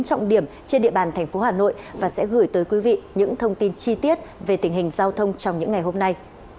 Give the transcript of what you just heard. trọng điểm trên địa bàn thành phố hà nội và sẽ gửi tới quý vị những thông tin chi tiết về tình hình giao thông trong những ngày hôm nay